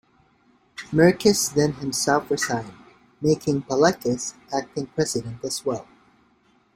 Merkys then himself resigned, making Paleckis acting president as well.